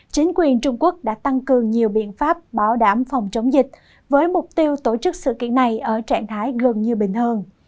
chính quyền trung quốc đã tăng cường nhiều biện pháp bảo đảm phòng chống dịch với mục tiêu tổ chức sự kiện này ở trạng thái gần như bình hơn